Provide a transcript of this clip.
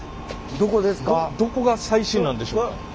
どこが最新なんでしょうか？